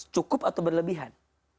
cukup atau berlebihan